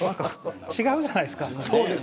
違うじゃないですか。